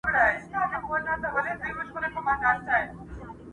حقيقت د وخت قرباني کيږي تل،